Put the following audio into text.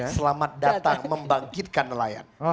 selamat datang membangkitkan nelayan